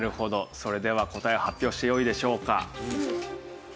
それでは答えを発表してよいでしょうか？